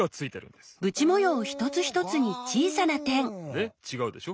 ねっちがうでしょ？